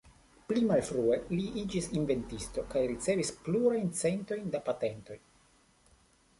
Pli malfrue, li iĝis inventisto kaj ricevis plurajn centojn da patentoj.